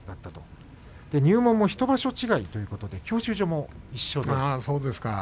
入門も１場所違いということで教習所も一緒でした。